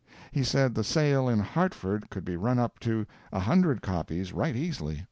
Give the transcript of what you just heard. He said the sale in Hartford could be run up to a hundred copies right easily.